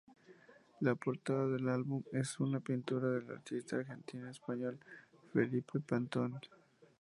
La portada del álbum es una pintura del artista argentino-español Felipe Pantone.